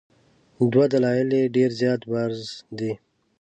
دوه دلایل یې ډېر زیات بارز دي.